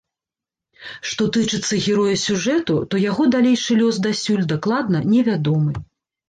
Што тычыцца героя сюжэту, то яго далейшы лёс дасюль дакладна невядомы.